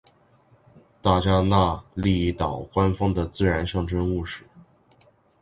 大加那利岛官方的自然象征物是。